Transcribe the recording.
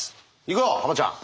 行くよ浜ちゃん。